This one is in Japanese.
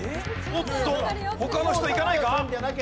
おっと他の人いかないか？